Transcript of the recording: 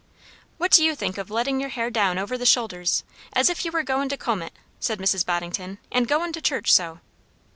"What do you think o' lettin' your hair down over the shoulders, as if you were goin' to comb it?" said Mrs. Boddington; "and goin' to church so?"